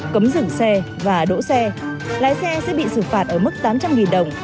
cấm dừng xe và đỗ xe lái xe sẽ bị xử phạt ở mức tám trăm linh đồng